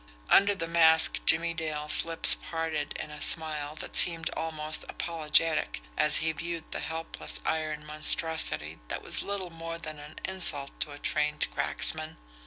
Under the mask Jimmie Dale's lips parted in a smile that seemed almost apologetic, as he viewed the helpless iron monstrosity that was little more than an insult to a trained cracksman.